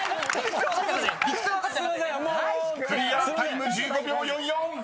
［クリアタイム１５秒４４！］